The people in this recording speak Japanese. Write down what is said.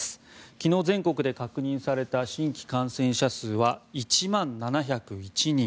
昨日、全国で確認された新規感染者数は１万７０１人。